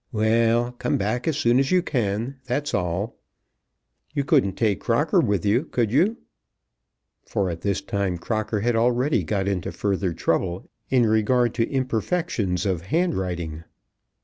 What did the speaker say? Well! come back as soon as you can; that's all. You couldn't take Crocker with you, could you?" For at this time Crocker had already got into further trouble in regard to imperfections of handwriting.